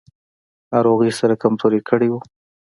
ناروغۍ سره کمزوری کړی و.